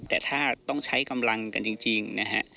แต่ถ้าต้องใช้กำลังกันจริงนะฮะ